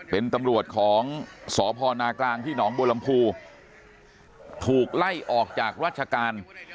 เป็นตำรวจของสพนากลางที่หนองบัวลำพูถูกไล่ออกจากราชการ